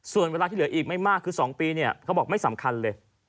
ส่วนเวลาที่เหลืออีกไม่มากคือ๒ปีเนี่ยเขาบอกไม่สำคัญเลย